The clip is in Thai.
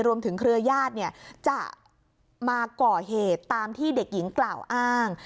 รวมถึงเครือญาติเนี่ยจะมาก่อเหตุตามที่เด็กหญิงกล่าวอ้าง